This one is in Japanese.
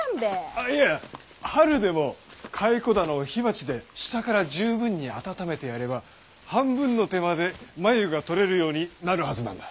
あいや春でも蚕棚を火鉢で下から十分に暖めてやれば半分の手間で繭が取れるようになるはずなんだ。